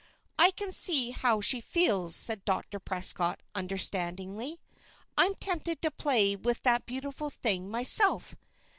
"I can see how she feels," said Dr. Prescott, understandingly. "I'm tempted to play with that beautiful thing myself.